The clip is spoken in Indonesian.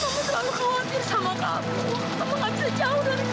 perempuan ini kamu kan